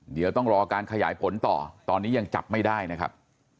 เดี๋ยวต้องรอการขยายผลต่อตอนนี้ยังจับไม่ได้นะครับ